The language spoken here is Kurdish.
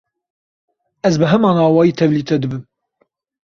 Ez bi heman awayî tevlî te dibim.